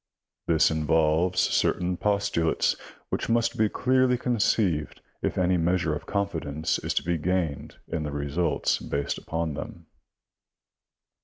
This involves certain postulates which must be clearly conceived if any measure of confidence is to be gained in the results based upon them.